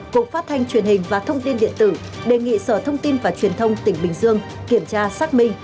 cục phát thanh truyền hình và thông tin điện tử đề nghị sở thông tin và truyền thông tỉnh bình dương kiểm tra xác minh